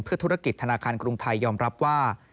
ธุรกิจธนาคารกรุงไทยยอมรับว่า